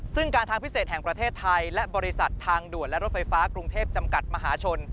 ซึ่งการทางพิเศษแห่งประเทศไทยและบริษัททางด่วนและรถไฟฟ้ากรุงเทพจำกัดมหาชน